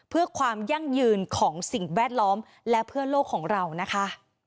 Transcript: เพื่อความยั่งยืนของสิ่งแวดล้อมและเพื่อโลกของเรานะคะ